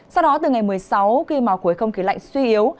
sau đó từ ngày một mươi sáu khi mà khối không khí lạnh suy yếu